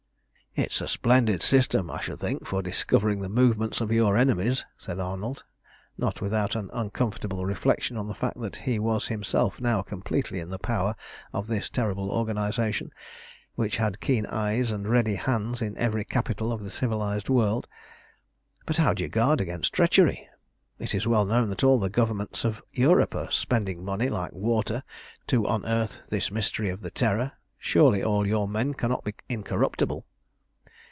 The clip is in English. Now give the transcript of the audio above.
"It's a splendid system, I should think, for discovering the movements of your enemies," said Arnold, not without an uncomfortable reflection on the fact that he was himself now completely in the power of this terrible organisation, which had keen eyes and ready hands in every capital of the civilised world. "But how do you guard against treachery? It is well known that all the Governments of Europe are spending money like water to unearth this mystery of the Terror. Surely all your men cannot be incorruptible."